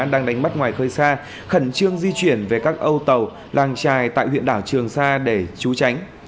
đang đánh bắt ngoài khơi xa khẩn trương di chuyển về các âu tàu làng trài tại huyện đảo trường sa để trú tránh